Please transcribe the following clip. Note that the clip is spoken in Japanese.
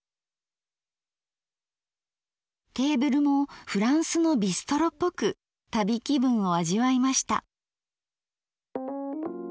テーブルもフランスのビストロっぽく旅気分を味わいました。